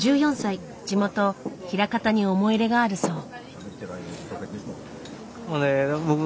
地元枚方に思い入れがあるそう。